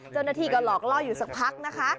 เจ้าหน้าที่ก็หลอกล่ออยู่สักพักนะคะ